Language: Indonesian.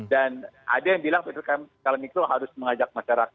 ada yang bilang ppkm skala mikro harus mengajak masyarakat